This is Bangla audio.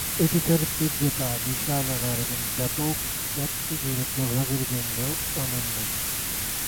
এটি তার তীব্রতা, বিশালাকার এবং ব্যাপক ব্যাপ্তি জুড়ে প্রভাবের জন্য অনন্য।